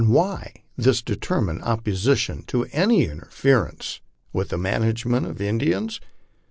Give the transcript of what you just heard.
Why this determined opposition to any interference with the management of the Indians?